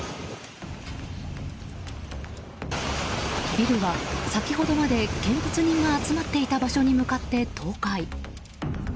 ビルは先ほどまで見物人が集まっていた場所に向かって倒壊。